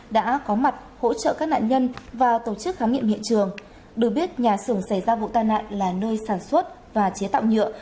được biết nhà xưởng xảy ra vụ tai nạn là nơi sản xuất và chế tạo nhựa